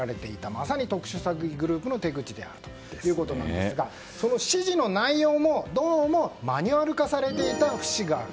まさに特殊詐欺グループの手口であるということなんですがその指示の内容も、どうもマニュアル化されていた節がある。